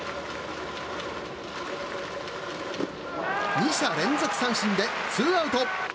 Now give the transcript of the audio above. ２者連続三振でツーアウト。